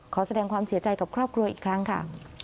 ขอแสดงความเสียใจกับครอบครัวอีกครั้งค่ะ